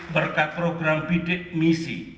berkat program bidik misi